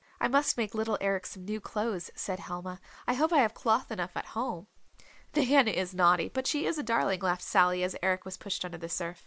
"I must make little Eric some new clothes," said Helma. "I hope I have cloth enough at home." "Nan is naughty, but she is a darling," laughed Sally as Eric was pushed under the surf.